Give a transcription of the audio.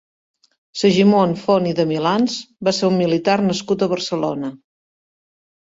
Segimon Font i de Milans va ser un militar nascut a Barcelona.